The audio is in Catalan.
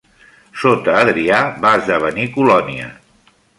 Sota Adrià va esdevenir colònia.